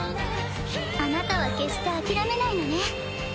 あなたは決して諦めないのね。